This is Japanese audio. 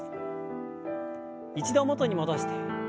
一度元に戻して。